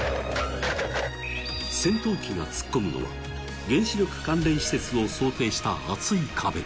戦闘機が突っ込むのは原子力関連施設を想定した厚い壁。